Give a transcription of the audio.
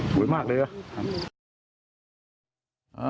สวยมากเลยนะ